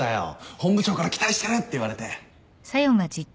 本部長から「期待してる」って言われて。